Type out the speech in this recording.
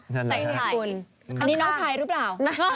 อันนี้น้องชายหรือเปล่า